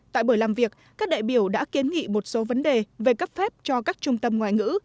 tại buổi làm việc các đại biểu đã kiến nghị một số vấn đề về cấp phép cho các trung tâm ngoại ngữ